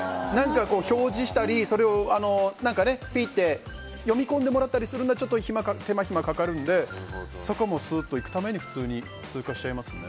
表示したりそれを何かピッて読み込んでもらったりするのは手間暇かかるのでそこはスーッと行くために普通に通過しちゃいますね。